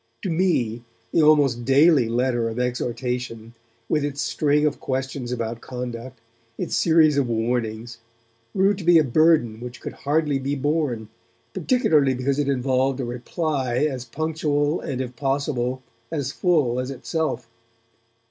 To me the almost daily letter of exhortation, with its string of questions about conduct, its series of warnings, grew to be a burden which could hardly be borne, particularly because it involved a reply as punctual and if possible as full as itself.